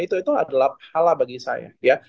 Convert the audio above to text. itu adalah hal bagi saya